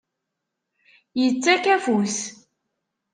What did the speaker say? Ittak afus.